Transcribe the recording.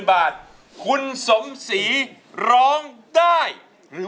มาฟังอินโทรเพลงที่๑๐